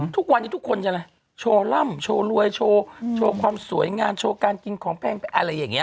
ทุกวันนี้ทุกคนจะอะไรโชว์ร่ำโชว์รวยโชว์ความสวยงามโชว์การกินของแพงอะไรอย่างนี้